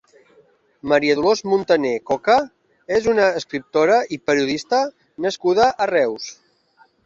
Maria Dolors Muntané Coca és una escriptora i periodista nascuda a Reus.